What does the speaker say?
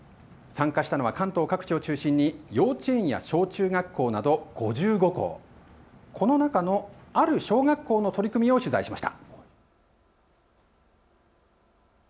参加した関東各地を中心に幼稚園や小中学校など５５校、その中のある小学校の取り組みを取材しました。